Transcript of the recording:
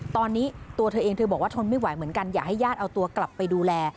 ตอนนี้ตัวเธอเองเธอบอกว่าทนไม่ไหวเหมือนกันอยากให้ญาติเอาตัวกลับไปดูแล